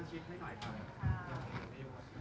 ขอขอบคุณหน่อยนะคะ